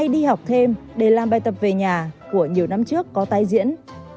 đi học thêm để làm bài tập về nhà của nhiều năm trước có tái diễn